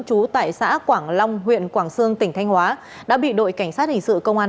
trú tại xã quảng long huyện quảng sương tỉnh thanh hóa đã bị đội cảnh sát hình sự công an